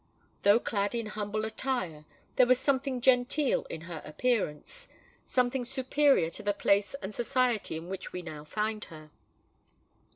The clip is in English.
Though clad in humble attire, there was something genteel in her appearance,—something superior to the place and society in which we now find her.